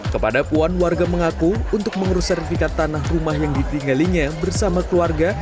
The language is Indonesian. kepada puan warga mengaku untuk mengurus sertifikat tanah rumah yang ditinggalinya bersama keluarga